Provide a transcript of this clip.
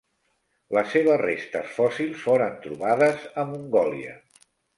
Les seves restes fòssils foren trobades a Mongòlia.